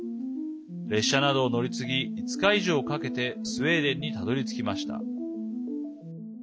列車などを乗り継ぎ５日以上かけてスウェーデンにたどりつきました。